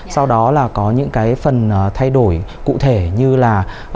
sau đó là có những cái phần thay đổi cụ thể như là